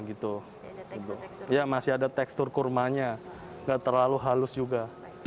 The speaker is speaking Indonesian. iya masih ada tekstur kurmanya tidak terlalu halus juga